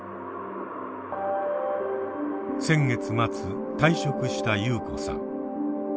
先月末退職したユウコさん。